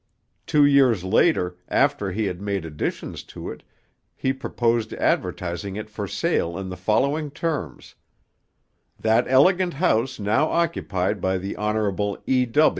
Two years later, after he had made additions to it, he proposed advertising it for sale in the following terms: 'That elegant House now occupied by the Honourable E.